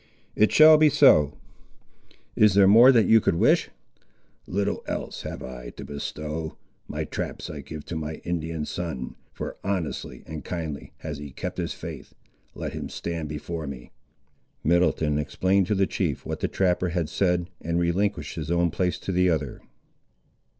"It shall be so. Is there more that you could wish?" "Little else have I to bestow. My traps I give to my Indian son; for honestly and kindly has he kept his faith. Let him stand before me." Middleton explained to the chief what the trapper had said and relinquished his own place to the other.